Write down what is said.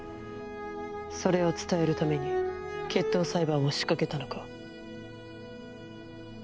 それを伝えるために決闘裁判を仕掛けたのか。